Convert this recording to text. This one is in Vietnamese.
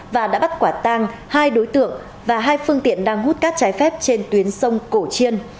và đã bắt quả tang hai đối tượng và hai phương tiện đang hút cát trái phép trên tuyến sông cổ chiên